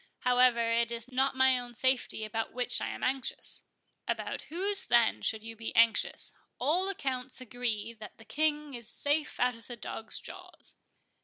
However, it is not my own safety about which I am anxious." "About whose, then, should you be anxious?—All accounts agree that the King is safe out of the dogs' jaws."